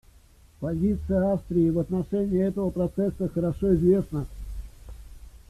Позиция Австрии в отношении этого процесса хорошо известна.